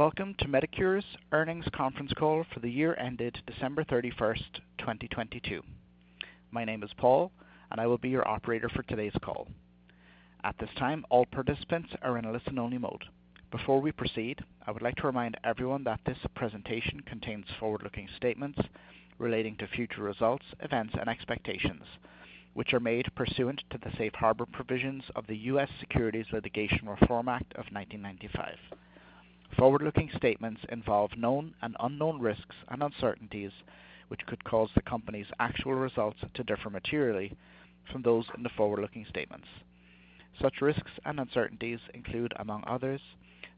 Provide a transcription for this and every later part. Welcome to Medicure's earnings conference call for the year ended December 31st, 2022. My name is Paul. I will be your operator for today's call. At this time, all participants are in a listen-only mode. Before we proceed, I would like to remind everyone that this presentation contains forward-looking statements relating to future results, events, and expectations, which are made pursuant to the Safe Harbor provisions of the U.S. Securities Litigation Reform Act of 1995. Forward-looking statements involve known and unknown risks and uncertainties, which could cause the company's actual results to differ materially from those in the forward-looking statements. Such risks and uncertainties include, among others,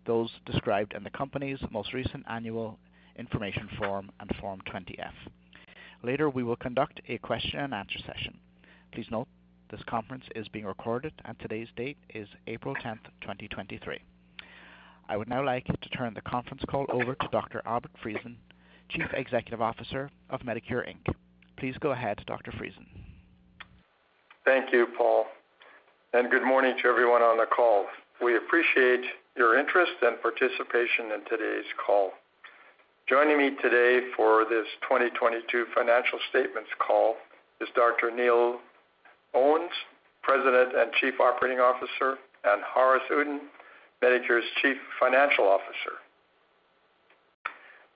those described in the company's most recent annual information form and Form 20-F. Later, we will conduct a question-and-answer session. Please note this conference is being recorded. Today's date is April 10th, 2023. I would now like to turn the conference call over to Dr. Albert Friesen, Chief Executive Officer of Medicure Inc. Please go ahead, Dr. Friesen. Thank you, Paul, good morning to everyone on the call. We appreciate your interest and participation in today's call. Joining me today for this 2022 financial statements call is Dr. Neil Owens, President and Chief Operating Officer, and Haaris Uddin, Medicure's Chief Financial Officer.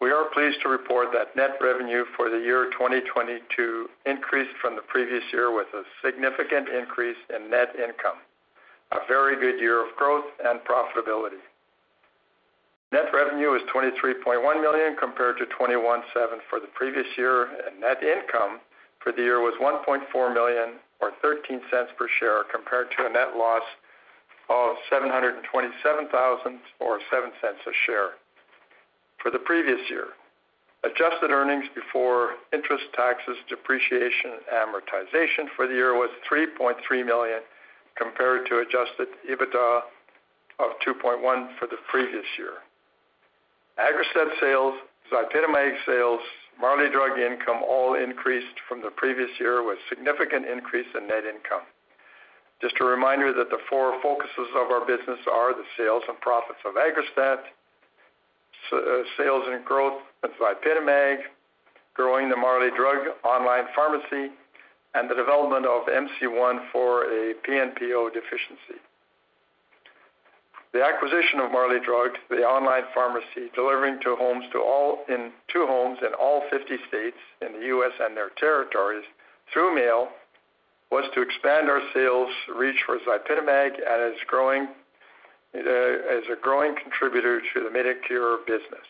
We are pleased to report that net revenue for the year 2022 increased from the previous year with a significant increase in net income. A very good year of growth and profitability. Net revenue is 23.1 million compared to 21.7 million for the previous year, and net income for the year was 1.4 million or 0.13 per share, compared to a net loss of 727,000 or 0.07 a share for the previous year. Adjusted earnings before interest, taxes, depreciation, and amortization for the year was 3.3 million compared to adjusted EBITDA of 2.1 million for the previous year. AGGRASTAT sales, ZYPITAMAG sales, Marley Drug income all increased from the previous year with significant increase in net income. Just a reminder that the four focuses of our business are the sales and profits of AGGRASTAT, sales and growth of ZYPITAMAG, growing the Marley Drug online pharmacy, and the development of MC-1 for a PNPO deficiency. The acquisition of Marley Drug, the online pharmacy, delivering to homes in all 50 states in the U.S. and their territories through mail was to expand our sales reach for ZYPITAMAG as a growing contributor to the Medicure business.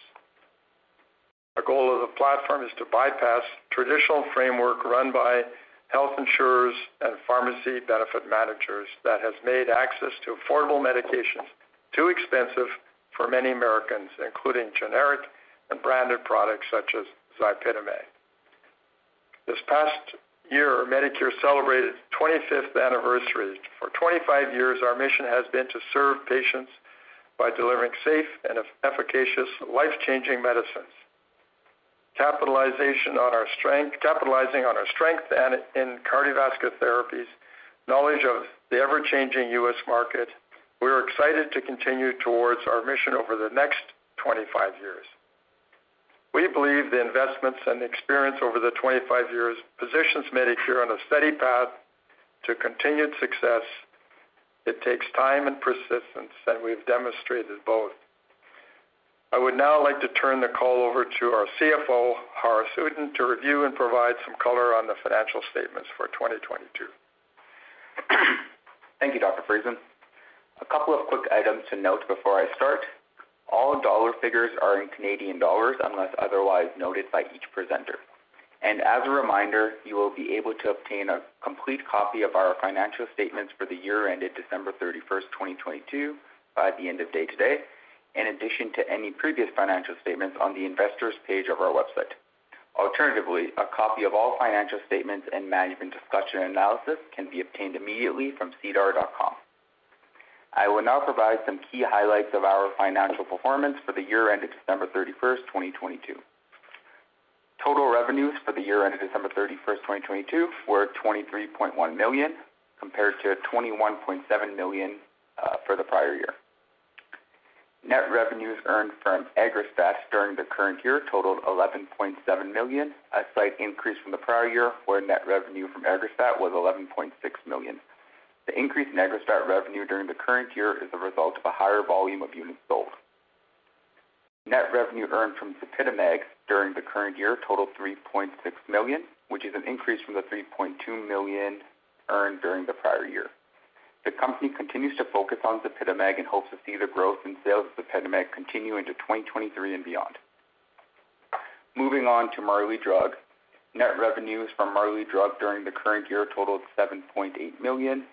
The goal of the platform is to bypass traditional framework run by health insurers and pharmacy benefit managers that has made access to affordable medications too expensive for many Americans, including generic and branded products such as ZYPITAMAG. This past year, Medicure celebrated its 25th anniversary. For 25 years, our mission has been to serve patients by delivering safe and efficacious life-changing medicines. Capitalizing on our strength and in cardiovascular therapies, knowledge of the ever-changing U.S. market, we are excited to continue towards our mission over the next 25 years. We believe the investments and experience over the 25 years positions Medicure on a steady path to continued success. It takes time and persistence, we've demonstrated both. I would now like to turn the call over to our CFO, Haaris Uddin, to review and provide some color on the financial statements for 2022. Thank you, Dr. Friesen. A couple of quick items to note before I start. All dollar figures are in Canadian dollars unless otherwise noted by each presenter. As a reminder, you will be able to obtain a complete copy of our financial statements for the year ended December 31, 2022 by the end of day today, in addition to any previous financial statements on the investors page of our website. Alternatively, a copy of all financial statements and Management Discussion and Analysis can be obtained immediately from sedar.com. I will now provide some key highlights of our financial performance for the year ended December 31, 2022. Total revenues for the year ended December 31, 2022 were 23.1 million, compared to 21.7 million for the prior year. Net revenues earned from AGGRASTAT during the current year totaled 11.7 million, a slight increase from the prior year, where net revenue from AGGRASTAT was 11.6 million. The increase in AGGRASTAT revenue during the current year is the result of a higher volume of units sold. Net revenue earned from ZYPITAMAG during the current year totaled 3.6 million, which is an increase from the 3.2 million earned during the prior year. The company continues to focus on ZYPITAMAG and hopes to see the growth in sales of ZYPITAMAG continue into 2023 and beyond. Moving on to Marley Drug. Net revenues from Marley Drug during the current year totaled 7.8 million,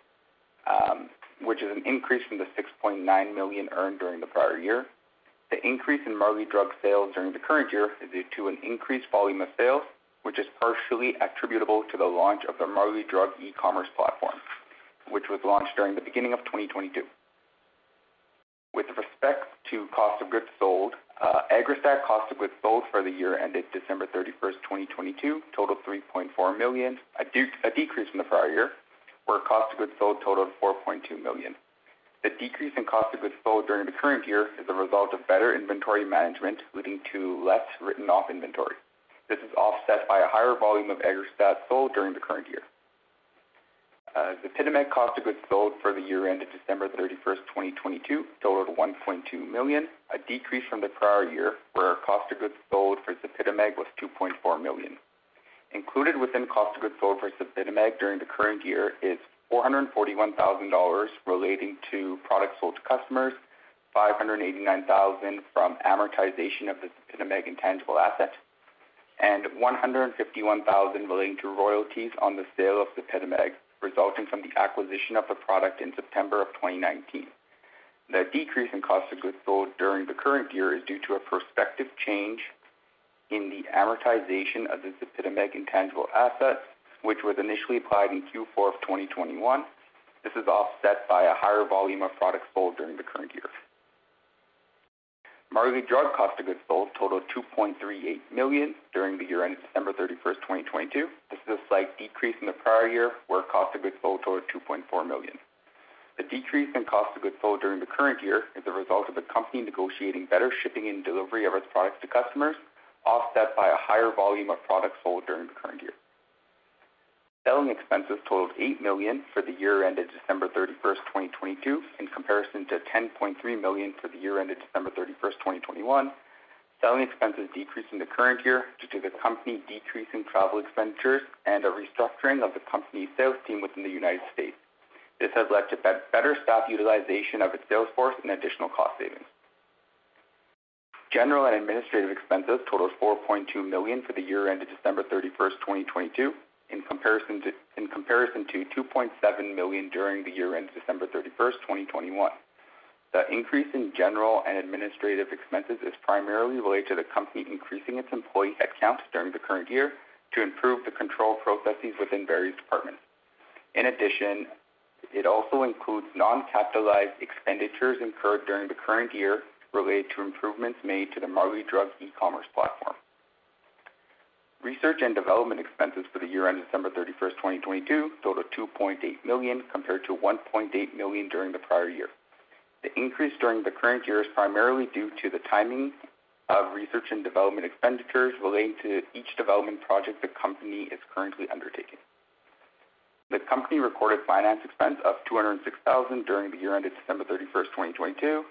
which is an increase from the 6.9 million earned during the prior year. The increase in Marley Drug sales during the current year is due to an increased volume of sales, which is partially attributable to the launch of the Marley Drug e-commerce platform, which was launched during the beginning of 2022. With respect to cost of goods sold, AGGRASTAT cost of goods sold for the year ended December 31st, 2022 totaled 3.4 million, a decrease from the prior year, where cost of goods sold totaled 4.2 million. The decrease in cost of goods sold during the current year is a result of better inventory management, leading to less written off inventory. This is offset by a higher volume of AGGRASTAT sold during the current year. ZYPITAMAG cost of goods sold for the year ended December 31, 2022 totaled 1.2 million, a decrease from the prior year, where our cost of goods sold for ZYPITAMAG was 2.4 million. Included within cost of goods sold for ZYPITAMAG during the current year is 441,000 dollars relating to products sold to customers, 589,000 from amortization of the ZYPITAMAG intangible asset, and 151,000 relating to royalties on the sale of ZYPITAMAG, resulting from the acquisition of the product in September 2019. The decrease in cost of goods sold during the current year is due to a prospective change in the amortization of the ZYPITAMAG intangible asset, which was initially applied in Q4 2021. This is offset by a higher volume of products sold during the current year. Marley Drug cost of goods sold totaled 2.38 million during the year ended December 31st, 2022. This is a slight decrease in the prior year, where cost of goods sold totaled 2.4 million. The decrease in cost of goods sold during the current year is a result of the company negotiating better shipping and delivery of its products to customers, offset by a higher volume of products sold during the current year. Selling expenses totaled 8 million for the year ended December 31st, 2022, in comparison to 10.3 million for the year ended December 31st, 2021. Selling expenses decreased in the current year due to the company decreasing travel expenditures and a restructuring of the company's sales team within the United States. This has led to better staff utilization of its sales force and additional cost savings. General and administrative expenses totaled 4.2 million for the year ended December 31, 2022, in comparison to 2.7 million during the year ended December 31, 2021. The increase in general and administrative expenses is primarily related to the company increasing its employee headcount during the current year to improve the control processes within various departments. It also includes non-capitalized expenditures incurred during the current year related to improvements made to the Marley Drug e-commerce platform. Research and development expenses for the year ended December 31, 2022 totaled 2.8 million, compared to 1.8 million during the prior year. The increase during the current year is primarily due to the timing of research and development expenditures relating to each development project the company is currently undertaking. The company recorded finance expense of 206,000 during the year ended December 31, 2022.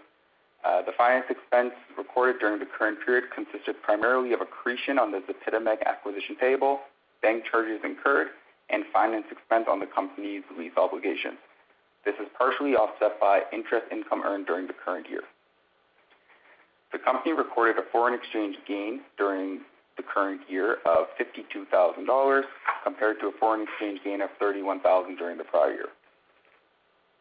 The finance expense recorded during the current period consisted primarily of accretion on the ZYPITAMAG acquisition payable, bank charges incurred and finance expense on the company's lease obligations. This is partially offset by interest income earned during the current year. The company recorded a foreign exchange gain during the current year of 52,000 dollars, compared to a foreign exchange gain of 31,000 during the prior year.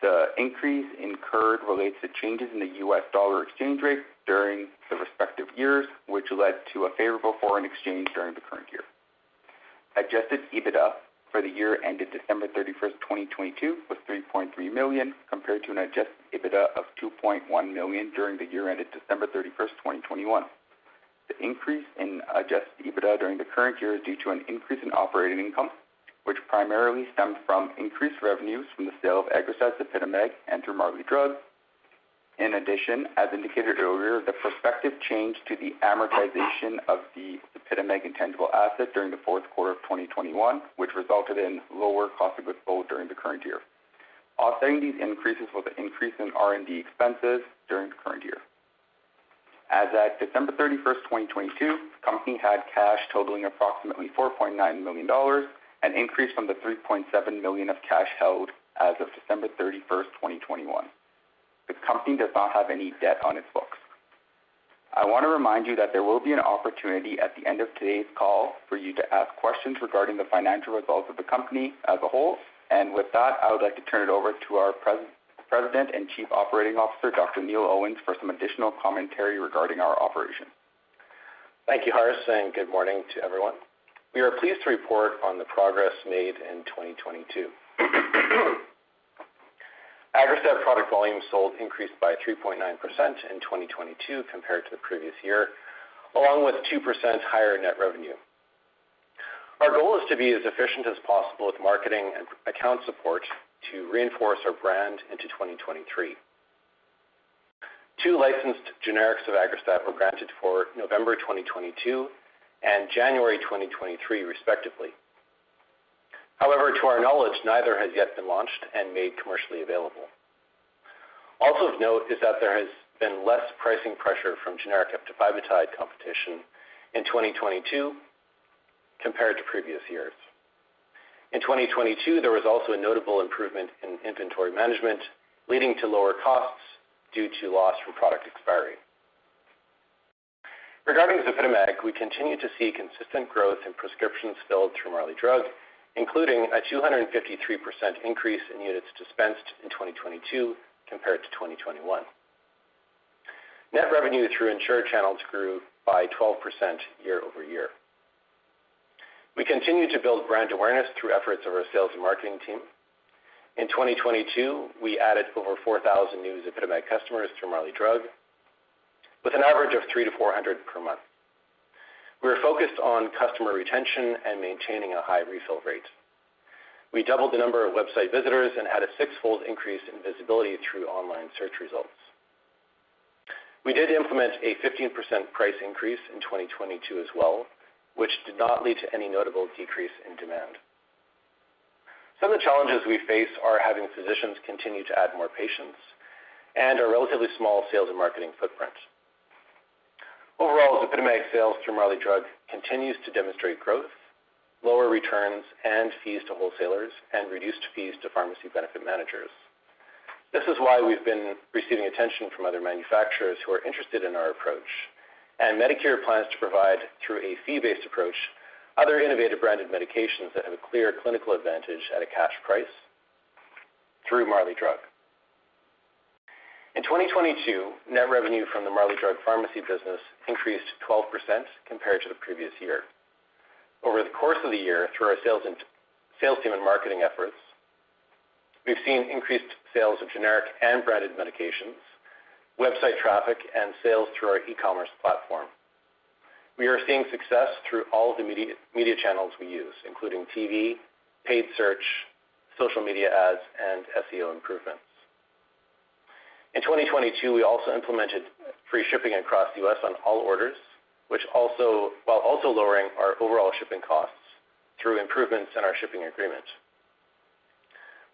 The increase incurred relates to changes in the US dollar exchange rate during the respective years, which led to a favorable foreign exchange during the current year. Adjusted EBITDA for the year ended December 31, 2022 was 3.3 million, compared to an adjusted EBITDA of 2.1 million during the year ended December 31, 2021. The increase in adjusted EBITDA during the current year is due to an increase in operating income, which primarily stemmed from increased revenues from the sale of AGGRASTAT, ZYPITAMAG, and through Marley Drug. In addition, as indicated earlier, the prospective change to the amortization of the ZYPITAMAG intangible asset during the fourth quarter of 2021, which resulted in lower cost of goods sold during the current year. Offsetting these increases was an increase in R&D expenses during the current year. As at December thirty-first, 2022, the company had cash totaling approximately 4.9 million dollars, an increase from the 3.7 million of cash held as of December thirty-first, 2021. The company does not have any debt on its books. I want to remind you that there will be an opportunity at the end of today's call for you to ask questions regarding the financial results of the company as a whole. With that, I would like to turn it over to our President and Chief Operating Officer, Dr. Neil Owens, for some additional commentary regarding our operation. Thank you, Harris. Good morning to everyone. We are pleased to report on the progress made in 2022. AGGRASTAT product volume sold increased by 3.9% in 2022 compared to the previous year, along with 2% higher net revenue. Our goal is to be as efficient as possible with marketing and account support to reinforce our brand into 2023. Two licensed generics of AGGRASTAT were granted for November 2022 and January 2023 respectively. To our knowledge, neither has yet been launched and made commercially available. Of note is that there has been less pricing pressure from generic eptifibatide competition in 2022 compared to previous years. In 2022, there was also a notable improvement in inventory management, leading to lower costs due to loss from product expiry. Regarding ZYPITAMAG, we continue to see consistent growth in prescriptions filled through Marley Drug, including a 253% increase in units dispensed in 2022 compared to 2021. Net revenue through insured channels grew by 12% year-over-year. We continue to build brand awareness through efforts of our sales and marketing team. In 2022, we added over 4,000 new ZYPITAMAG customers through Marley Drug with an average of 300-400 per month. We are focused on customer retention and maintaining a high refill rate. We doubled the number of website visitors and had a six-fold increase in visibility through online search results. We did implement a 15% price increase in 2022 as well, which did not lead to any notable decrease in demand. Some of the challenges we face are having physicians continue to add more patients and a relatively small sales and marketing footprint. Overall, ZYPITAMAG sales through Marley Drug continues to demonstrate growth, lower returns and fees to wholesalers and reduced fees to pharmacy benefit managers. This is why we've been receiving attention from other manufacturers who are interested in our approach. Medicure plans to provide, through a fee-based approach, other innovative branded medications that have a clear clinical advantage at a cash price through Marley Drug. In 2022, net revenue from the Marley Drug pharmacy business increased 12% compared to the previous year. Over the course of the year, through our sales team and marketing efforts, we've seen increased sales of generic and branded medications, website traffic, and sales through our e-commerce platform. We are seeing success through all of the media channels we use, including TV, paid search, social media ads, and SEO improvements. In 2022, we also implemented free shipping across the U.S. on all orders, while also lowering our overall shipping costs through improvements in our shipping agreement.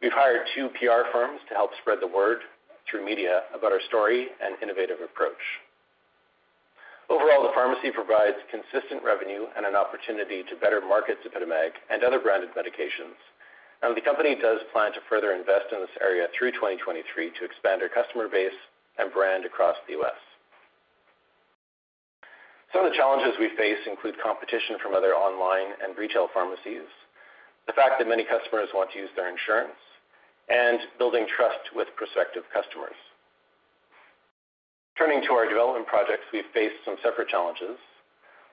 We've hired two PR firms to help spread the word through media about our story and innovative approach. Overall, the pharmacy provides consistent revenue and an opportunity to better market ZYPITAMAG and other branded medications. The company does plan to further invest in this area through 2023 to expand our customer base and brand across the U.S. Some of the challenges we face include competition from other online and retail pharmacies, the fact that many customers want to use their insurance, and building trust with prospective customers. Turning to our development projects, we've faced some separate challenges.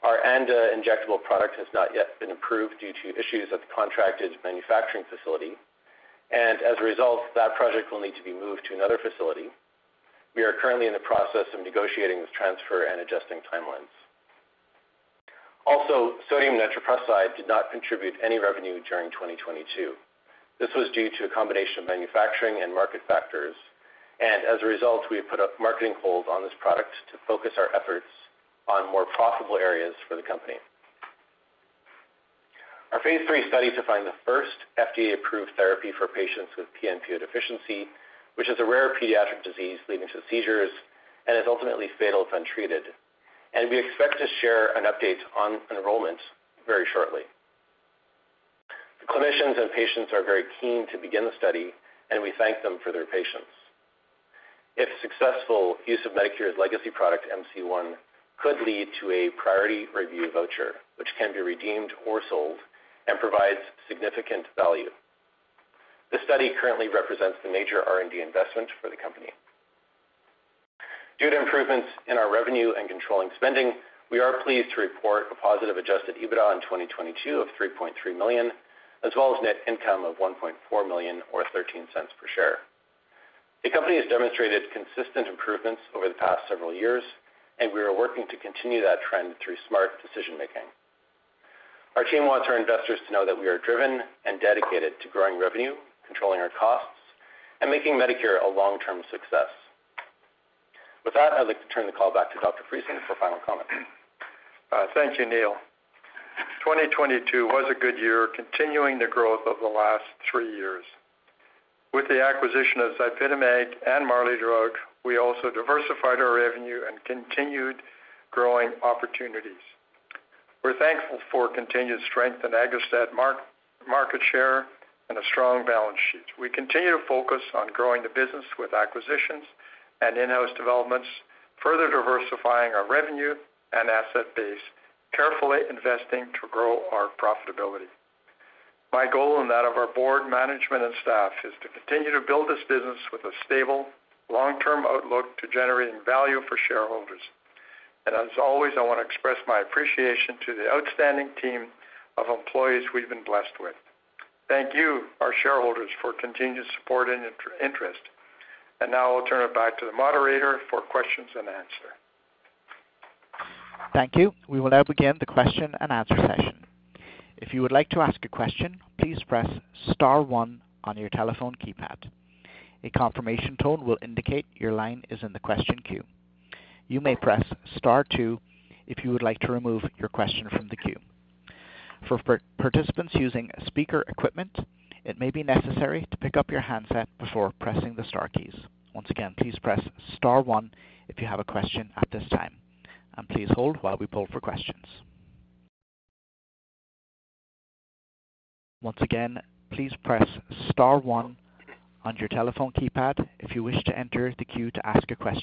Our ANDA injectable product has not yet been approved due to issues at the contracted manufacturing facility. As a result, that project will need to be moved to another facility. We are currently in the process of negotiating this transfer and adjusting timelines. Sodium nitroprusside did not contribute any revenue during 2022. This was due to a combination of manufacturing and market factors. As a result, we have put a marketing hold on this product to focus our efforts on more profitable areas for the company. Our phase three study to find the first FDA-approved therapy for patients with PNPO deficiency, which is a rare pediatric disease leading to seizures and is ultimately fatal if untreated. We expect to share an update on enrollment very shortly. The clinicians and patients are very keen to begin the study, and we thank them for their patience. If successful, use of Medicure's legacy product, MC-1, could lead to a priority review voucher, which can be redeemed or sold and provides significant value. This study currently represents the major R&D investment for the company. Due to improvements in our revenue and controlling spending, we are pleased to report a positive adjusted EBITDA in 2022 of 3.3 million, as well as net income of 1.4 million or 0.13 per share. The company has demonstrated consistent improvements over the past several years, and we are working to continue that trend through smart decision-making. Our team wants our investors to know that we are driven and dedicated to growing revenue, controlling our costs, and making Medicure a long-term success. With that, I'd like to turn the call back to Dr. Friesen for final comments. Thank you, Neil. 2022 was a good year, continuing the growth of the last 3 years. With the acquisition of ZYPITAMAG and Marley Drug, we also diversified our revenue and continued growing opportunities. We're thankful for continued strength in AGGRASTAT market share and a strong balance sheet. We continue to focus on growing the business with acquisitions and in-house developments, further diversifying our revenue and asset base, carefully investing to grow our profitability. My goal, and that of our board, management, and staff, is to continue to build this business with a stable, long-term outlook to generating value for shareholders. As always, I wanna express my appreciation to the outstanding team of employees we've been blessed with. Thank you, our shareholders, for continued support and interest. Now I'll turn it back to the moderator for questions and answer. Thank you. We will now begin the question and answer session. If you would like to ask a question, please press star one on your telephone keypad. A confirmation tone will indicate your line is in the question queue. You may press star two if you would like to remove your question from the queue. For participants using speaker equipment, it may be necessary to pick up your handset before pressing the star keys. Once again, please press star one if you have a question at this time, and please hold while we pull for questions. Once again, please press star one on your telephone keypad if you wish to enter the queue to ask a question.